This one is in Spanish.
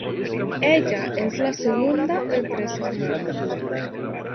Ella es la segunda de tres hermanos.